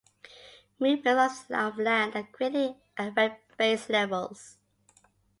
Movements of land can greatly affect base levels.